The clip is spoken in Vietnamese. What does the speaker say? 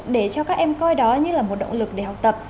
để cho các em coi đó như là một động lực để học tập